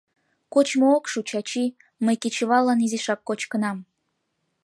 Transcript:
— Кочмо ок шу, Чачи, мый кечываллан изишак кочкынам.